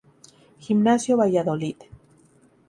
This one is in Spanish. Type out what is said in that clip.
Gimnasio Valladolid.